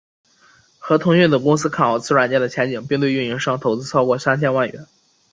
和腾讯等公司看好此软件的前景并对运营商投资超过三千万美元。